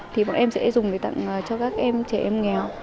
thì bọn em sẽ dùng để tặng cho các em trẻ em nghèo